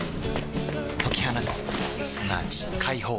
解き放つすなわち解放